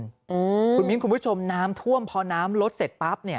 คุณมิ้นคุณผู้ชมน้ำท่วมพอน้ำลดเสร็จปั๊บเนี่ย